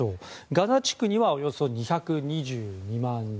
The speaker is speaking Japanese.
ガザ地区にはおよそ２２２万人。